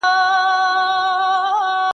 د سختۍ وروسته حتمي اساني راځي.